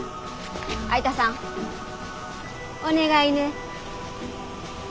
相田さんお願いね。